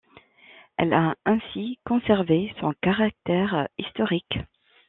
Elle a ainsi conservé son caractère historique.